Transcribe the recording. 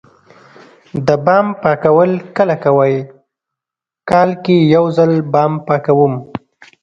د بام پاکول کله کوئ؟ کال کې یوځل بام پاکوم